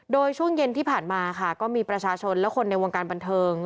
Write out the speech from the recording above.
โดยช่วงเย็นที่ผ่านมาค่ะก็มีประชาชนและคนในวงการบันเทิง